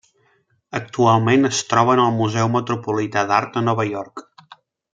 Actualment es troba en el Museu Metropolità d'Art a Nova York.